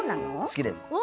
好きです。